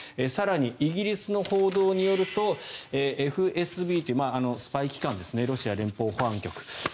更に、イギリスの報道によるとＦＳＢというスパイ機関ですねロシア連邦保安局。